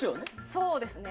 そうですね。